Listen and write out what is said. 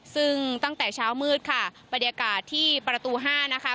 ซึ่งตั้งแต่เช้ามืดค่ะบรรยากาศที่ประตู๕นะคะ